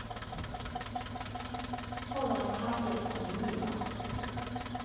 后来他也同意了